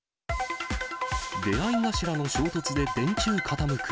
出会い頭の衝突で電柱傾く。